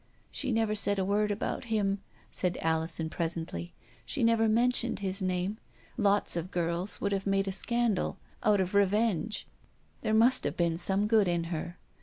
" She never said a word about him," said Alison presently, "she never mentioned his name. Lots of girls would have made a scandal, out of revenge. There must have 262 THE 8T0BT OF A MODERN WOMAN. been some good in her.